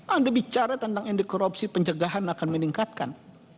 anda bicara tentang indikoropsi pencegahan akan meningkatkan